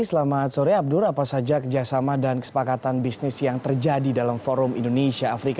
selamat sore abdul apa saja kejaksama dan kesepakatan bisnis yang terjadi dalam forum indonesia